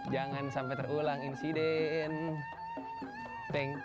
jangan sampai terulang insiden